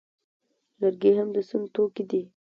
لرګي هم د سون توکي دي